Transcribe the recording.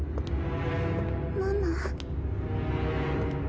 ママ？